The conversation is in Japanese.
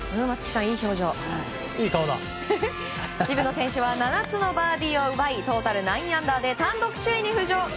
渋野選手は７つのバーディーを奪いトータル９アンダーで単独首位に浮上。